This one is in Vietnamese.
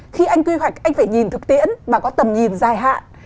khi anh quy hoạch anh phải nhìn thực tiễn mà có tầm nhìn dài hạn